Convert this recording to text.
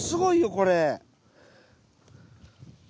これ。